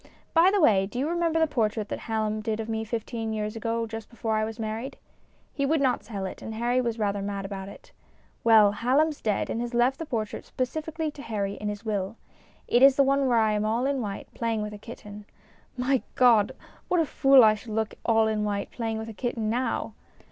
By the way, do you remember the portrait that Hallom did of me fifteen years ago, just before I was married ? He would not sell it, and Harry was rather mad about it. Well, Hallom's dead and has left the portrait specifically to Harry in his will. It is the one where I am all in white, playing with a kitten. My God ! What a fool I should look all in white, playing with a kitten now